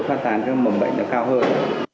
phát tán mầm bệnh cao hơn